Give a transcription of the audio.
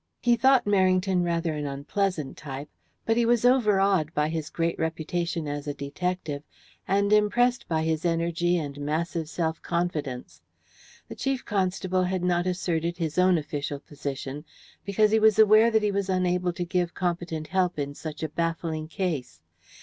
He thought Merrington rather an unpleasant type, but he was overawed by his great reputation as a detective, and impressed by his energy and massive self confidence. The Chief Constable had not asserted his own official position, because he was aware that he was unable to give competent help in such a baffling case.